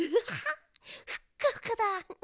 ふっかふかだ！